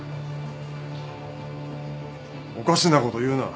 おかしなこと言うな。